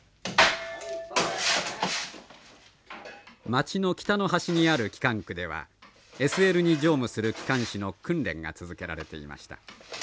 町の北の端にある機関区ではＳＬに乗務する機関士の訓練が続けられていました。